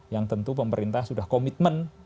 yang tentu pemerintah sudah komitmen